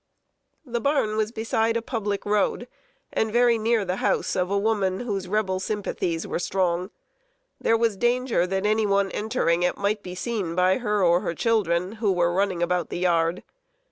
The barn was beside a public road, and very near the house of a woman whose Rebel sympathies were strong. There was danger that any one entering it might be seen by her or her children, who were running about the yard.